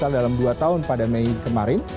yang besar dalam dua tahun pada mei kemarin